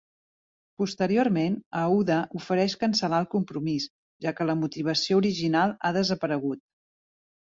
Posteriorment, Aouda ofereix cancel·lar el compromís, ja que la motivació original ha desaparegut.